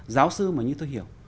giáo sư mà như tôi hiểu